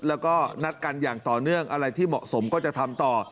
แล้วก็นัดกันอย่างต่อเนื่องอะไรที่เหมาะสมก็จะทำต่อ